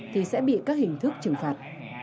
thì sẽ bị các hình thức trừng phạt